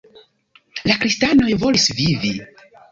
La kristanoj volis vivi.